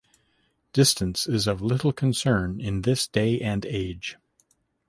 Distance is of little concern in this day and age.